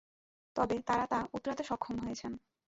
তবে তাঁরা তা উতরাতে সক্ষম হয়েছেন।